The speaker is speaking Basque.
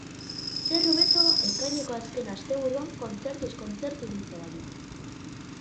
Zer hobeto ekaineko azken asteburuan kontzertuz kontzertu ibiltzea baino?